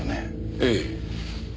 ええ。